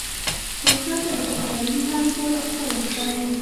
بزګر ته د پسرلي هر ګل خپل ښکاري